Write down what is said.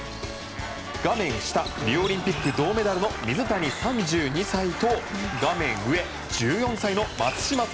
画面下、リオオリンピック銅メダルの水谷、３２歳と画面上、１４歳の松島輝